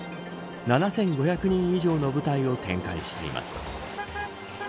７５００人以上の部隊を展開しています。